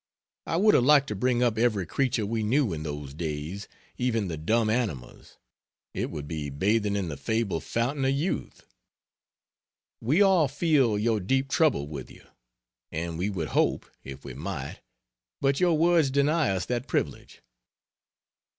I would have liked to bring up every creature we knew in those days even the dumb animals it would be bathing in the fabled Fountain of Youth. We all feel your deep trouble with you; and we would hope, if we might, but your words deny us that privilege.